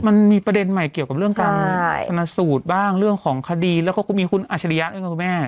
มันมีประเด็นใหม่เกี่ยวกับเรื่องการชนะสูตรบ้างเรื่องของคดีแล้วก็คุณมีคุณอาชริยะด้วยครับคุณแม่